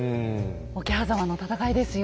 桶狭間の戦いですよ。